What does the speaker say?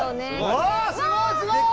うわすごいすごい！